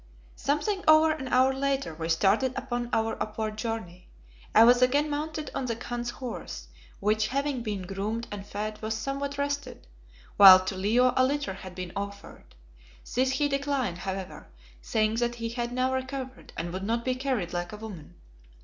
Something over an hour later we started upon our upward journey. I was again mounted on the Khan's horse, which having been groomed and fed was somewhat rested, while to Leo a litter had been offered. This he declined, however, saying that he had now recovered and would not be carried like a woman.